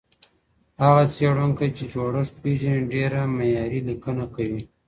هغه څېړونکی چي جوړښت پېژني ډېره معیاري لیکنه کوي.